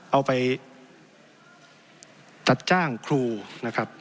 เอาไปจัดจ้างครูนะครับ